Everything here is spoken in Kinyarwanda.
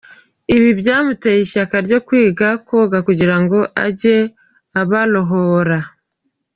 Ibi byamuteye ishyaka ryo kwiga koga kugira ngo ajye abarohora.